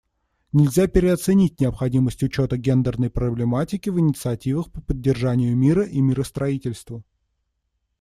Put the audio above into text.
Нельзя переоценить необходимость учета гендерной проблематики в инициативах по поддержанию мира и миростроительству.